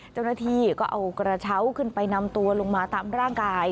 เจ้าหน้าที่ก็เอากระเช้าขึ้นไปนำตัวลงมาตามร่างกาย